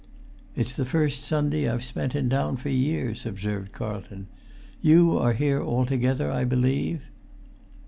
"It's the first Sunday I've spent in town for years," observed Carlton; "you are here altogether, I believe?"